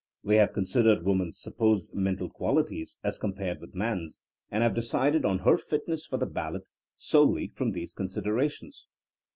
They have considered woman's sup posed mental qualities as compared with man's, and have decided on her fitness for the ballot solely from these considerations.